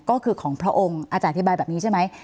ก็คือของพระองค์อาจารย์อธิบายแบบนี้ใช่ไหม